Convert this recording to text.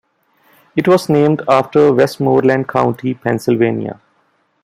It was named after Westmoreland County, Pennsylvania.